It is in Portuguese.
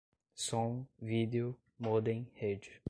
som, vídeo, modem, rede